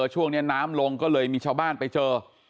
ช่วงนี้น้ำลงก็เลยมีชาวบ้านไปเจอ